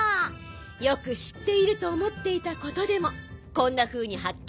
よくしっているとおもっていたことでもこんなふうにはっけんがあります。